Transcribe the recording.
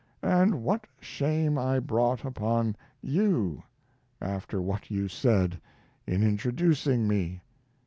And what shame I brought upon you, after what you said in introducing me!